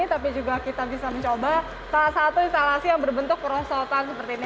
tapi juga kita bisa mencoba salah satu instalasi yang berbentuk perosotan seperti ini